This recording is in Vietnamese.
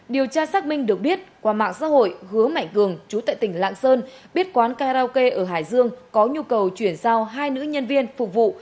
điều tra xác minh được biết qua mạng xã hội hứa mạnh cường chú tại tỉnh lạng sơn biết quán karaoke ở hải dương có nhu cầu chuyển giao hai nữ nhân viên phục vụ